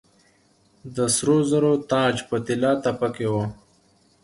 د سرو زرو تاج په طلا تپه کې و